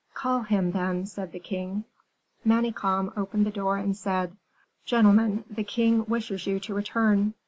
"Call him, then," said the king. Manicamp opened the door, and said, "Gentlemen, the king wishes you to return."